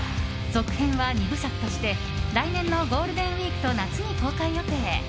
続編は２部作として来年のゴールデンウィークと夏に公開予定。